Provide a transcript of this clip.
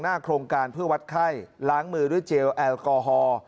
โครงการเพื่อวัดไข้ล้างมือด้วยเจลแอลกอฮอล์